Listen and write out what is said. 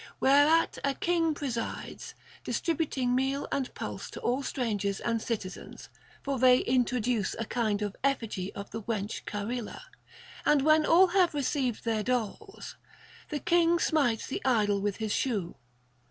Whereat the king presides, distributing meal and pulse to all strangers and citizens (for they introduce a kind of an effigy of the wench Charila); and when all have received their doles, the king smites the idol with his shoe.